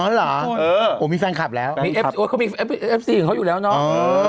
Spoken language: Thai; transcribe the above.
อ๋อเหรอมีแฟนกลับแล้วเค้ามีเอฟซีของเค้าอยู่แล้วเนาะ